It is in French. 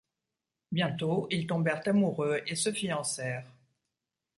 Bientôt, ils tombèrent amoureux et se fiancèrent.